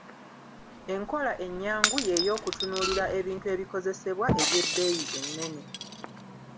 Enkola ennyangu ye y’okutunuulira ebintu ebikozesebwa eby’ebbeeyi ennene.